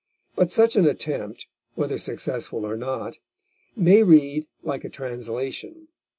But such an attempt, whether successful or not, may read like a translation.